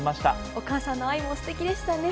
お母さんの愛もすてきでしたね。